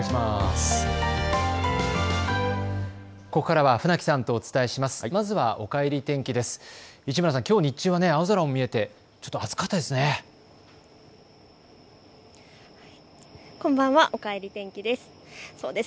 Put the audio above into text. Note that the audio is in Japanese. ここからは船木さんとお伝えしていきます。